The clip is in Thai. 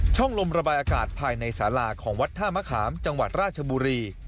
ลมระบายอากาศภายในสาราของวัดท่ามะขามจังหวัดราชบุรี